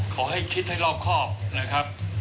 ขอให้คิดให้รอบครอบนะครับ